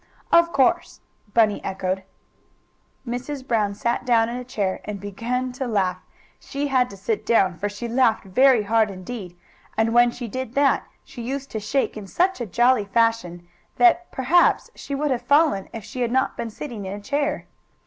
"Of course," Bunny echoed. Mrs. Brown sat down in a chair and began to laugh. She had to sit down, for she laughed very hard indeed, and when she did that she used to shake in such a jolly fashion that, perhaps, she would have fallen if she had not been sitting in a chair.